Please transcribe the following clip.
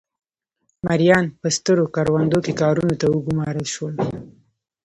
مریان په سترو کروندو کې کارونو ته وګومارل شول.